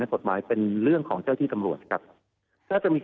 ได้จากต้นเรื่องที่เขาเป็นเจ้าของคดี